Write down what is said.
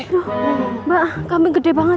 mbak kambing gede banget